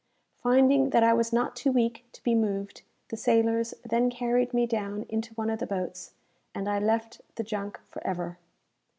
Finding that I was not too weak to be moved, the sailors then carried me down into one of the boats, and I left the junk for ever.